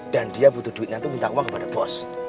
dan dia butuh duitnya itu minta uang kepada bos